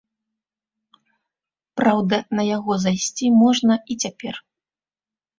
Праўда, на яго зайсці можна і цяпер.